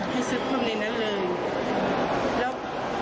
ให้ซื้อเพิ่มในนั้นเลย